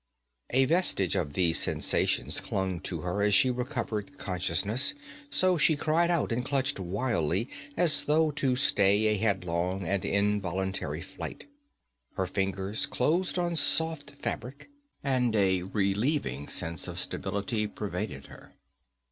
A vestige of these sensations clung to her as she recovered consciousness; so she cried out and clutched wildly as though to stay a headlong and involuntary flight. Her fingers closed on soft fabric, and a relieving sense of stability pervaded her.